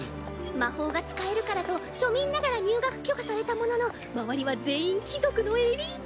魔法が使えるからと庶民ながら入学許可されたものの周りは全員貴族のエリート。